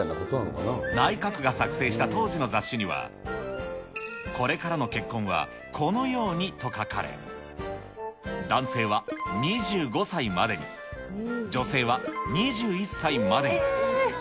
内閣が作成した当時の雑誌には、これからの結婚は、このように、と書かれ、男性は２５歳までに、女性は２１歳までに。